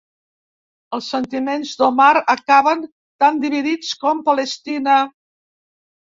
Els sentiments d'Omar acaben tan dividits com Palestina.